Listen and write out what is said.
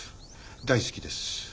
大好きです。